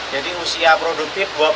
jadi usia produktif